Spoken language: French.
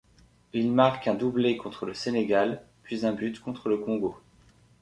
Il marque un doublé contre le Sénégal, puis un but contre le Congo.